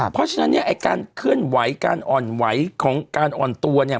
เพราะฉะนั้นเนี่ยไอ้การเคลื่อนไหวการอ่อนไหวของการอ่อนตัวเนี่ย